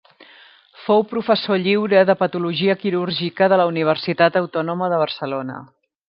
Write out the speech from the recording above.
Fou professor lliure de patologia quirúrgica de la Universitat Autònoma de Barcelona.